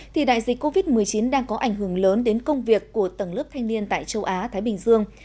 thì đại dịch covid một mươi chín đang có ảnh hưởng lớn đến công việc của tầng lớp thanh niên tại châu á thái bình dương